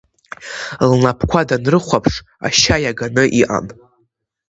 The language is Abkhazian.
Лнапқәа данрыхәаԥш ашьа иаганы иҟан.